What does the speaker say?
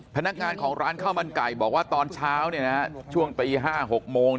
พนักงานของร้านข้าวมันไก่บอกว่าตอนเช้าช่วงตี๕๖โมง